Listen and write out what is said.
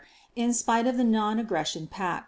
in spite of the non aggression pact.